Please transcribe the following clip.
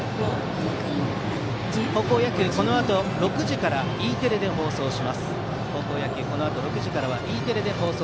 高校野球、このあと６時からＥテレで放送します。